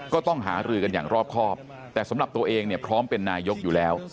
ก็ต้องหารือกันอย่างรอบครอบแต่สำหรับตัวเองเนี่ยพร้อมเป็นนายกอยู่แล้ว